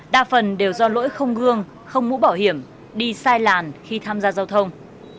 đa phần đều do lỗi không gương không mũ bảo hiểm đi sai làn khi tham gia giao thông